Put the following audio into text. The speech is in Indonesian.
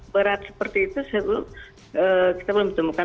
berat seperti itu kita belum ditemukan